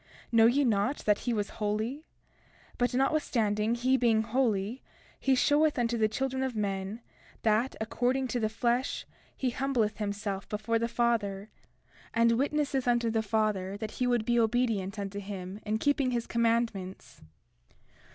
31:7 Know ye not that he was holy? But notwithstanding he being holy, he showeth unto the children of men that, according to the flesh he humbleth himself before the Father, and witnesseth unto the Father that he would be obedient unto him in keeping his commandments.